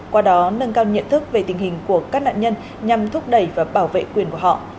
qua đó nâng cao nhận thức về tình hình của các nạn nhân nhằm thúc đẩy và bảo vệ quyền của họ